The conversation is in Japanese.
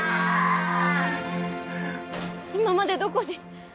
今までどこに？